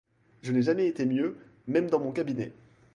Je n’ai jamais été mieux, même dans mon cabinet.